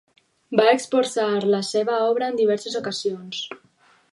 Va exposar la seva obra en diverses ocasions.